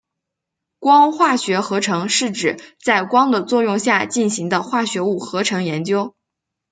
光化学合成是指在光的作用下进行的化合物合成研究。